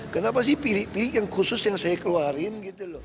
kenapa sih pilih pilih yang khusus yang saya keluarin